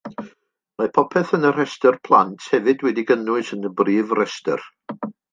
Mae popeth yn y rhestr plant hefyd wedi'i gynnwys yn y brif restr.